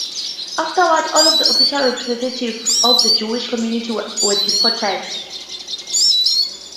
Afterward, all of the official representatives of the Jewish community were deported.